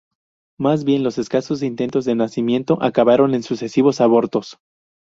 Más bien, los escasos intentos de nacimiento acabaron en sucesivos abortos.